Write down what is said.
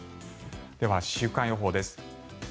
では、週間予報です。